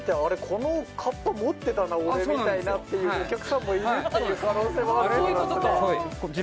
このかっぱ持ってたな俺みたいなっていうお客さんもいるっていう可能性もあるってことなんすね